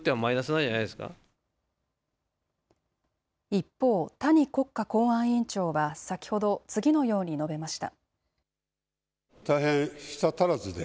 一方、谷国家公安委員長は先ほど次のように述べました。